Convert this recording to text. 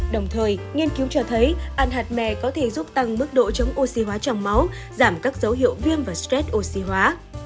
đồng thời nghiên cứu cho thấy ăn hạt mè có thể giúp tăng mức độ chống oxy hóa trong máu giảm các dấu hiệu viêm và stress oxy hóa